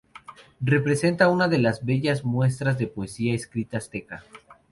Representa una de las más bellas muestras de poesía escrita azteca.